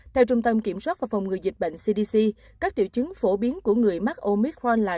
theo trung tâm kiểm soát và phòng ngừa dịch bệnh cdc các triệu chứng phổ biến của người mắc omit honlin